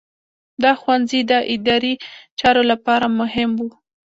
دا ښوونځي د اداري چارو لپاره مهم وو.